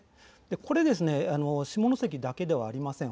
これは下関だけではありません。